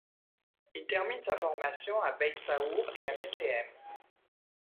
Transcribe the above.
Il termine sa formation à Beit Sahour et à Bethléem.